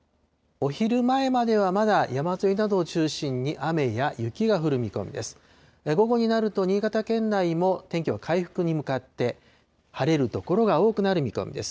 お昼前までは、まだ山沿いなどを中心に雨や雪が降る見込みです。